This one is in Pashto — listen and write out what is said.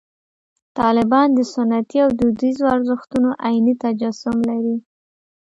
طالبان د سنتي او دودیزو ارزښتونو عیني تجسم لري.